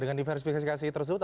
dengan diversifikasi tersebut